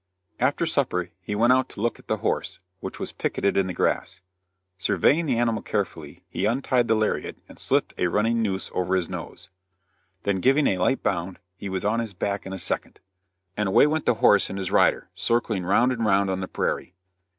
After supper he went out to look at the horse, which was picketed in the grass. Surveying the animal carefully, he untied the lariat and slipped a running noose over his nose; then giving a light bound, he was on his back in a second, and away went the horse and his rider, circling round and round on the prairie.